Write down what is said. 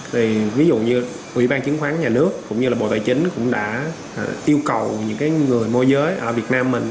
thì ví dụ như ủy ban chứng khoán nhà nước cũng như là bộ tài chính cũng đã yêu cầu những cái người môi giới ở việt nam mình